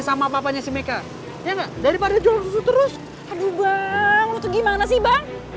sama papanya si meka ya nggak daripada jual dulu terus aduh bang atau gimana sih bang